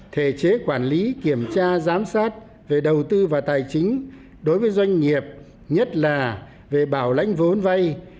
thể chế quản lý kiểm tra giám sát về đầu tư và tài chính đối với doanh nghiệp nhất là về bảo lãnh vốn vay